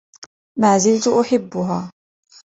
ما زلت أحبها